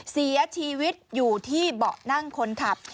เสียชีวิตอยู่ที่เบาะนั่งคนขับ